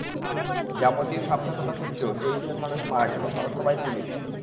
যাবতীয় সাবধানতা সত্ত্বেও তেইশজন মানুষ মারা গেল, তারা সবাই পুলিশ।